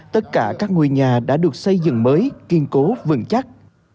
tất cả các ngôi nhà đã được xây dựng mới kiên cố vững chắc